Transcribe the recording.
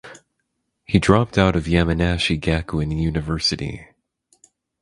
He dropped out of Yamanashi Gakuin University.